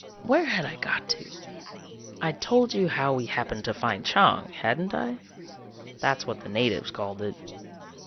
"Where had I got to? I'd told you how we happened to find Chang, hadn't I? That's what the natives called it.